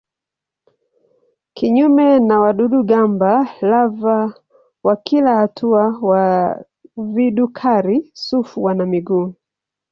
Kinyume na wadudu-gamba lava wa kila hatua wa vidukari-sufu wana miguu.